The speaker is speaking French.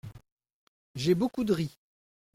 J’ai beaucoup de riz.